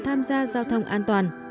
tham gia giao thông an toàn